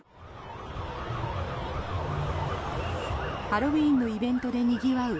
ハロウィーンのイベントでにぎわう